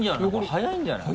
速いんじゃない？